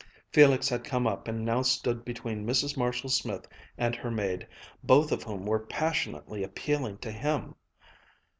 Felix had come up and now stood between Mrs. Marshall Smith and her maid, both of whom were passionately appealing to him!